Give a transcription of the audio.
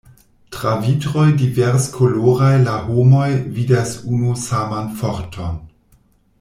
Tra vitroj diverskoloraj la homoj vidas unu saman Forton.